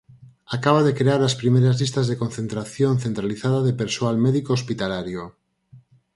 Acaba de crear as primeiras listas de contratación centralizada de persoal médico hospitalario.